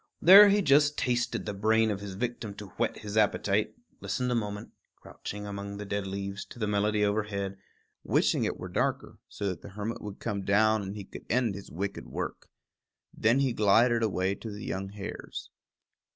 There he just tasted the brain of his victim to whet his appetite, listened a moment, crouching among the dead leaves, to the melody overhead, wishing it were darker, so that the hermit would come down and he could end his wicked work. Then he glided away to the young hares.